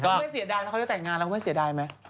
เขาไม่เสียดายแล้วเขาจะแต่งงานแล้วเขาไม่เสียดายไหม